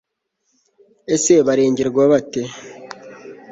ese barengerwa bate